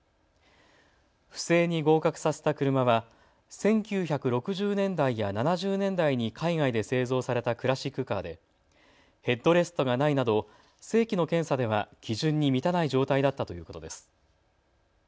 不正に合格させた車は１９６０年代や７０年代に海外で製造されたクラシックカーでヘッドレストがないなど正規の検査では基準に満たない状態だったということです。